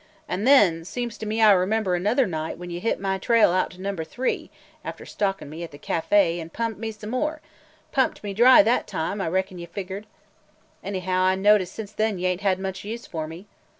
"An' then, seems to me I remember another night when you hit my trail out to Number Three (after stalking me at the café) an' pumped me some more – pumped me dry that time, I reckon you figured! Anyhow, I notice since then you ain't had much use for me!